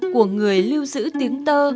của người lưu giữ tiếng tơ